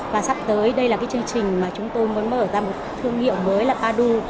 và sắp tới đây là cái chương trình mà chúng tôi muốn mở ra một thương hiệu mới là padu